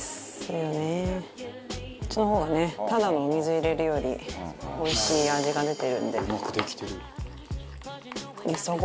こっちの方がねただのお水入れるよりおいしい味が出てるんで。